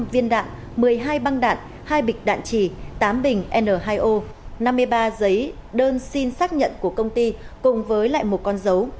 một mươi viên đạn một mươi hai băng đạn hai bịch đạn chỉ tám bình n hai o năm mươi ba giấy đơn xin xác nhận của công ty cùng với lại một con dấu